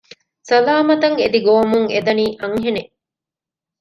ސަލާމަތަށް އެދި ގޮވަމުން އެދަނީ އަންހެނެއް